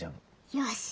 よし。